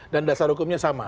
dan dasar hukumnya sama